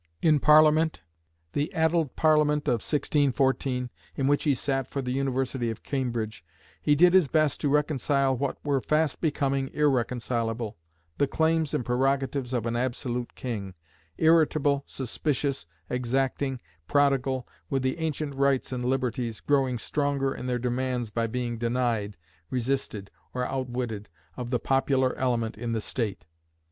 In Parliament, the "addled Parliament" of 1614, in which he sat for the University of Cambridge, he did his best to reconcile what were fast becoming irreconcilable, the claims and prerogatives of an absolute king, irritable, suspicious, exacting, prodigal, with the ancient rights and liberties, growing stronger in their demands by being denied, resisted, or outwitted, of the popular element in the State.